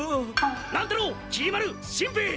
乱太郎きり丸しんべヱ